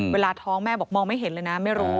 เวลาท้องแม่บอกมองไม่เห็นเลยนะไม่รู้